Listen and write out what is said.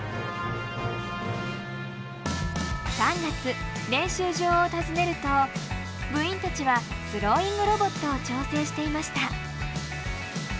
３月練習場を訪ねると部員たちはスローイングロボットを調整していました。